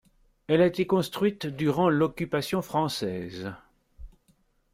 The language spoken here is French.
Elle a été construite durant l'occupation française.